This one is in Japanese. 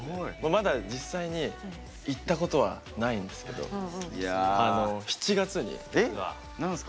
まだ実際に行ったことはないんですけどえ